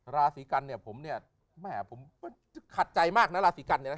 ราศีกันเนี่ยผมเนี่ยแหมผมขัดใจมากนะราศีกันเนี่ยนะ